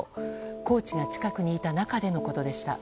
コーチが近くにいた中でのことでした。